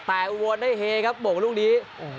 แต่อุบลได้เฮครับบ่งลูกนี้